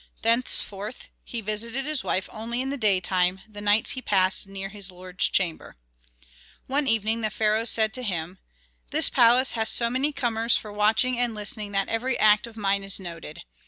Thenceforth he visited his wife only in the daytime, the nights he passed near his lord's chamber. One evening the pharaoh said to him, "This palace has so many corners for watching and listening that every act of mine is noted.